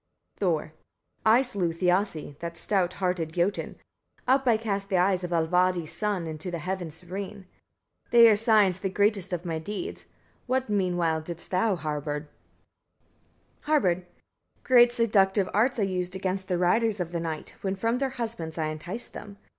Thor. 19. I slew Thiassi, that stout hearted Jotun: up I cast the eyes of Allvaldi's son into the heaven serene: they are signs the greatest of my deeds. What meanwhile didst thou, Harbard? Harbard. 20. Great seductive arts I used against the riders of the night, when from their husbands I enticed them.